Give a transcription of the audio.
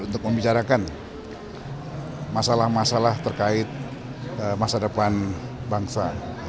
untuk membicarakan masalah masalah terkait masa depan bangsa